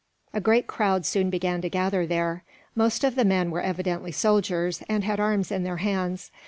A great crowd soon began to gather there. Most of the men were evidently soldiers, and had arms in their hands.